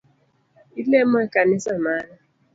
Ilemo e kanisa mane?